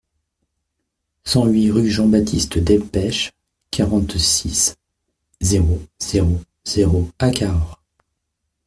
cent huit rue Jean Baptiste Delpech, quarante-six, zéro zéro zéro à Cahors